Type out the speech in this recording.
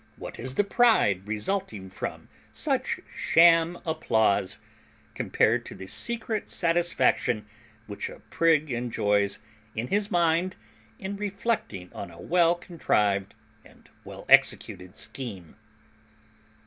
What is the pride resulting from such sham applause, compared to the secret satisfaction which a prig enjoys in his mind in reflecting on a well contrived and well executed scheme?